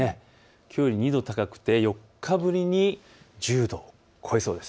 きょうより２度高くて４日ぶりに１０度を超えそうです。